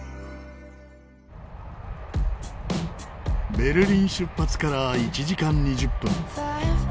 ベルリン出発から１時間２０分。